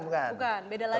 bukan beda lagi